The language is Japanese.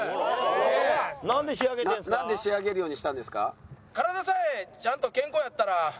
なんで仕上げるようにしたんですか？